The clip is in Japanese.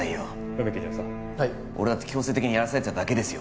梅木巡査俺だって強制的にやらされただけですよ